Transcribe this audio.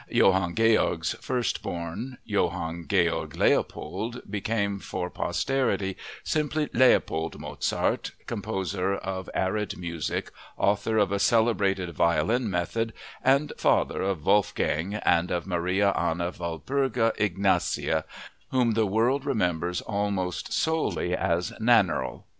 Johann Georg's first born, Johann Georg Leopold, became for posterity simply Leopold Mozart, composer of arid music, author of a celebrated violin method, and father of Wolfgang and of Maria Anna Walburga Ignatia, whom the world remembers almost solely as "Nannerl."